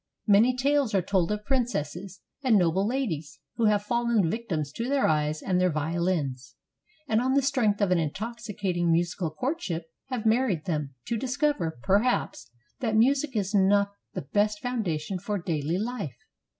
Many tales are told of princesses and noble ladies who have fallen victims to their eyes and their violins, and on the strength of an intoxicating musical courtship have married them, to discover, perhaps, that music is not the best foundation for daily life.